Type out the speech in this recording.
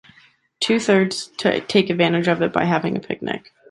Two thirds take advantage of it by having a picnic.